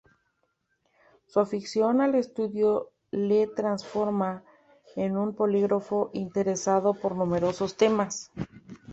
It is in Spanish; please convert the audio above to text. Su afición al estudio le transforma en un polígrafo interesado por numerosos temas.